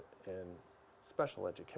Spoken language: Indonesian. pekerjaan yang lebih baik dari